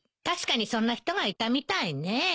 確かにそんな人がいたみたいね。